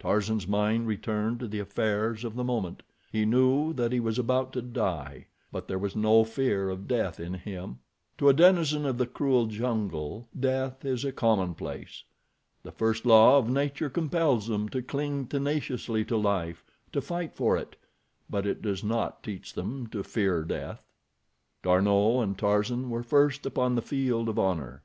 Tarzan's mind returned to the affairs of the moment. He knew that he was about to die, but there was no fear of death in him. To a denizen of the cruel jungle death is a commonplace. The first law of nature compels them to cling tenaciously to life—to fight for it; but it does not teach them to fear death. D'Arnot and Tarzan were first upon the field of honor.